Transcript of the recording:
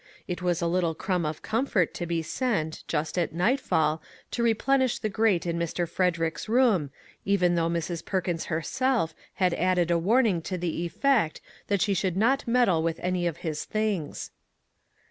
It was a little crumb of comfort to be sent, just at nightfall, to replenish the grate in Mr. Frederick's room, even though Mrs. Perkins herself had added a warning to the effect that she should not meddle with any of his things.